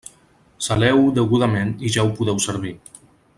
Saleu-ho degudament i ja ho podeu servir.